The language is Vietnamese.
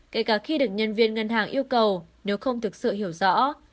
kể cả khi được nhân viên ngân hàng yêu cầu nếu không thực sự hiểu rõ